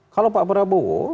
kalau pak prabowo